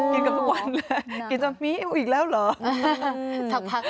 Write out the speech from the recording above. กินกันทุกวันเลยกินตะมิ้วอีกแล้วเหรอ